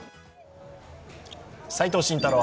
齋藤慎太郎